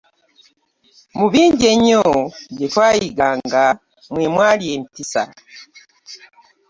Mu bingi ennyo bye twayiganga mwe mwali empisa.